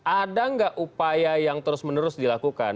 ada nggak upaya yang terus menerus dilakukan